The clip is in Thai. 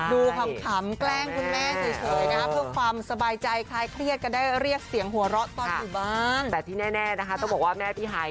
ดูคำแกล้งคุณแม่เฉยก็ได้เพื่อความสบายใจ